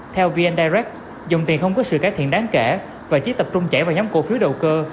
theo vn direct dòng tiền không có sự cải thiện đáng kể và chỉ tập trung chảy vào nhóm cổ phiếu đầu cơ